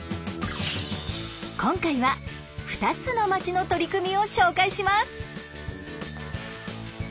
今回は２つの町の取り組みを紹介します。